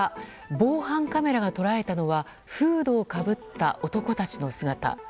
防犯カメラが捉えたのはフードをかぶった男たちの姿。